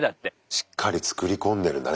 しっかりつくり込んでるんだね